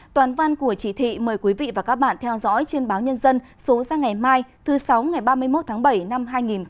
toàn văn của chỉ thị mời quý vị và các bạn theo dõi trên báo nhân dân số ra ngày mai thứ sáu ngày ba mươi một tháng bảy năm hai nghìn một mươi chín